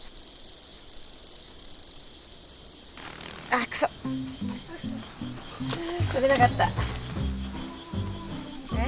ああっくそ！捕れなかった。